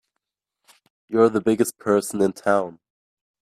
You're the biggest person in town!